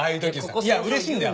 いや嬉しいんだよ？